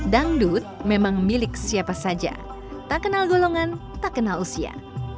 dangdut memang milik siapa saja tak kenal golongan tak kenal usia